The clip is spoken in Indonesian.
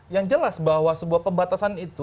yang jelas bahwa sebuah pembatasan itu